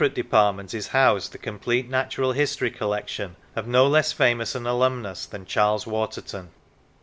Longridge department is housed the complete natural history collection of no less famous an alumnus than Charles Waterton.